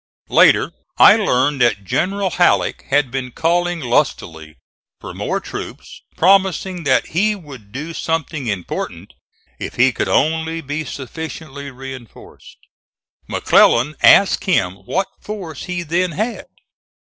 Later I learned that General Halleck had been calling lustily for more troops, promising that he would do something important if he could only be sufficiently reinforced. McClellan asked him what force he then had.